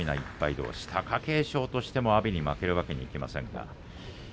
どうし貴景勝も阿炎に負けるわけにはいきません。